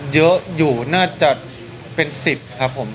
เยอะอยู่น่าจะเป็น๑๐ครับผม